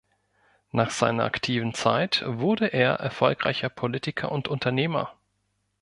Nach seiner aktiven Zeit wurde er erfolgreicher Politiker und Unternehmer.